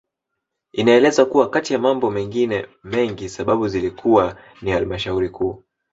Inaelezwa kuwa kati ya mambo mengine mengi sababu zilikuwa ni halmashauri Kuu